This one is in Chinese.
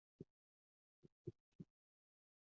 目前所有的矿山企业都在应用。